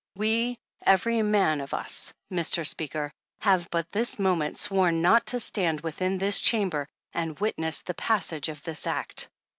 We, every man of us, Mr. Speaker, have but this moment sworn not to stand within this Chamber and witness the passage of this act.